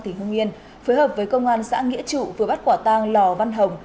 tỉnh hưng yên phối hợp với công an xã nghĩa trụ vừa bắt quả tang lò văn hồng